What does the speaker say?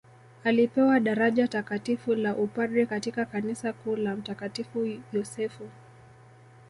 Alipewa daraja Takatifu la upadre katika kanisa kuu la mtakatifu Josefu